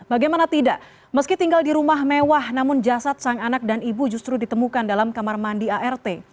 bagaimana tidak meski tinggal di rumah mewah namun jasad sang anak dan ibu justru ditemukan dalam kamar mandi art